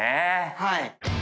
はい。